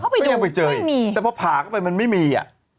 ก็ยังไปเจอแต่พอผ่าก็ไปมันไม่มี